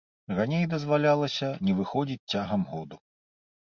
Раней дазвалялася не выходзіць цягам году.